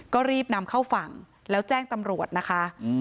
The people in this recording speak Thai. ก็รีบนำเข้าฝั่งแล้วแจ้งตำรวจนะคะ